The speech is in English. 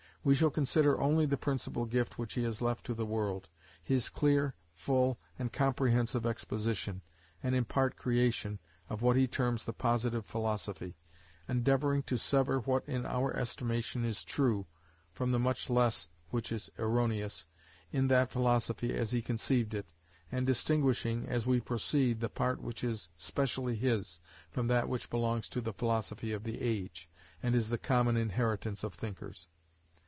We shall consider only the principal gift which he has left to the world, his clear, full, and comprehensive exposition, and in part creation, of what he terms the Positive Philosophy: endeavouring to sever what in our estimation is true, from the much less which is erroneous, in that philosophy as he conceived it, and distinguishing, as we proceed, the part which is specially his, from that which belongs to the philosophy of the age, and is the common inheritance of thinkers.